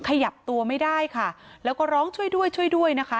ขยับตัวไม่ได้ค่ะแล้วก็ร้องช่วยด้วยช่วยด้วยนะคะ